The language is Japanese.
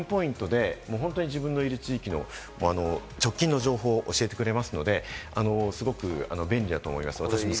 かなりピンポイントで自分がいる地域の直近の情報を教えてくれますので、すごく便利だと思います。